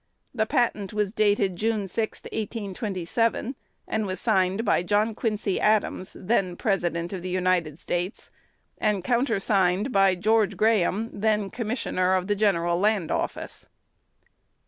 The patent was dated June 6, 1827, and was signed by John Quincy Adams, then President of the United States, and countersigned by George Graham, then Commissioner of the General Land Office."